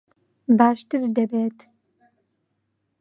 باشتر دەبێت.